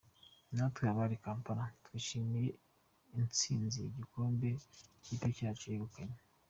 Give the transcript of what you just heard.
Natwe abari Kampala twishimiye intsinzi y’igikombe ikipe yacu yegukanye.